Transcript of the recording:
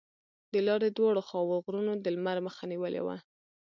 د لارې دواړو خواوو غرونو د لمر مخه نیولې وه.